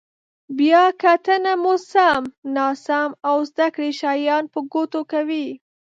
بیا کتنه مو سم، ناسم او زده کړي شیان په ګوته کوي.